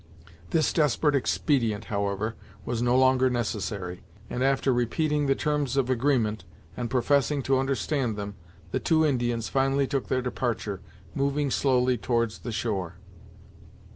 This desperate expedient, however, was no longer necessary, and after repeating the terms of agreement, and professing to understand them, the two Indians finally took their departure, moving slowly towards the shore.